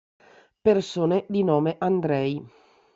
Persone di nome Andrej